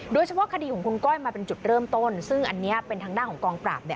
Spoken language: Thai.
โดยเฉพาะคดีของคุณก้อยมาเป็นจุดเริ่มต้นซึ่งอันนี้เป็นทางด้านของกองปราบ